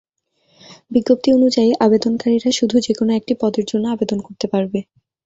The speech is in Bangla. বিজ্ঞপ্তি অনুযায়ী, আবেদনকারীরা শুধু যেকোনো একটি পদের জন্য আবেদন করতে পারবে।